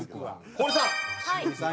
堀さん